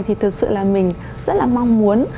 thì thực sự là mình rất là mong muốn